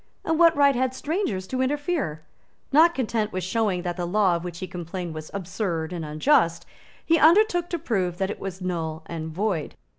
And what right had strangers to interfere? Not content with showing that the law of which he complained was absurd and unjust, he undertook to prove that it was null and void.